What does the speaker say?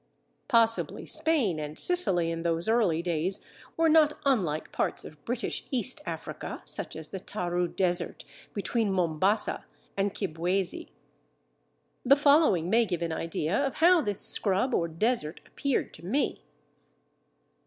Possibly Spain and Sicily in those early days were not unlike parts of British East Africa, such as the Taru Desert between Mombasa and Kibwezi. The following may give an idea of how this scrub or desert appeared to me.